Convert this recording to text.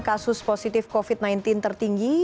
kasus positif covid sembilan belas tertinggi